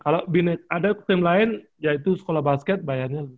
kalau ada tim lain yaitu sekolah basket bayarnya